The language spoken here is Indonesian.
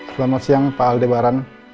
selamat siang pak aldebaran